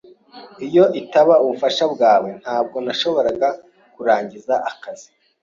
Iyo itaba ubufasha bwawe, ntabwo nashoboraga kurangiza akazi.